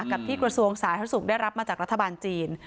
กับที่กระทรวงสาธารณสุขได้รับมาจากรัฐบาลจีน